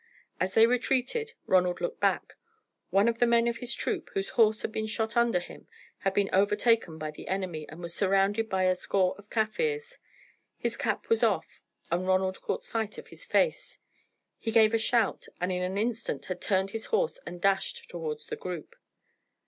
As they retreated, Ronald looked back. One of the men of his troop, whose horse had been shot under him, had been overtaken by the enemy, and was surrounded by a score of Kaffirs. His cap was off, and Ronald caught sight of his face. He gave a shout, and in an instant had turned his horse and dashed towards the group.